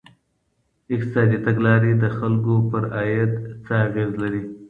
اقتصادي تګلاري د خلګو پر عايد څه اغېز لري؟